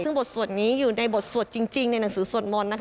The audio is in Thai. ซึ่งบทสวดนี้อยู่ในบทสวดจริงในหนังสือสวดมนต์นะคะ